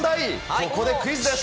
ここでクイズです。